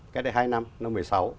cái đấy hai năm năm một mươi sáu